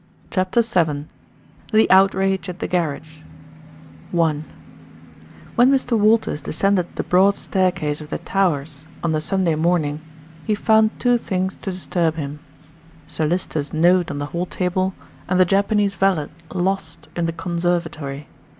CHAPTER VII THE OUTRAGE AT THE GARAGE I When Mr. Walters descended the broad staircase of The Towers on the Sunday morning he found two things to disturb him Sir Lyster's note on the hall table, and the Japanese valet "lost" in the conservatory.